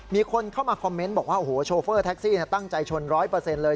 มีคนเข้ามาคอมเมนต์บอกว่าโอ้โหโชเฟอร์แท็กซี่ตั้งใจชน๑๐๐เลย